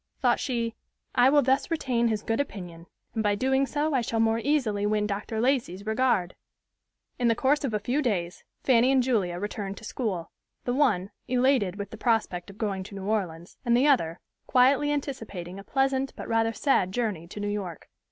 Thought she, "I will thus retain his good opinion; and by so doing I shall more easily win Dr. Lacey's regard." In the course of a few days Fanny and Julia returned to school; the one, elated with the prospect of going to New Orleans, and the other, quietly anticipating a pleasant but rather sad journey to New York.